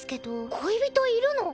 恋人いるの？